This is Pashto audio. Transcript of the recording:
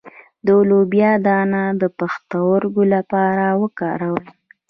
د لوبیا دانه د پښتورګو لپاره وکاروئ